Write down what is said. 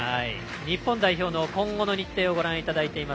日本代表の今後の日程です。